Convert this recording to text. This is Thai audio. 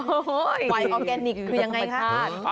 โอ้โหไหวออร์แกนิคคือยังไงคะ